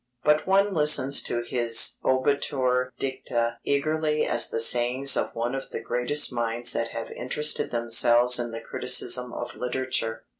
But one listens to his obiter dicta eagerly as the sayings of one of the greatest minds that have interested themselves in the criticism of literature.